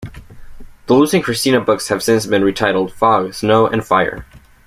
The "Losing Christina" books have since been retitled "Fog", "Snow", and "Fire".